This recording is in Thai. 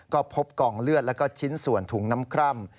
ก็พบกองเลือดแล้วก็ชิ้นส่วนถุงน้ำคร่ำ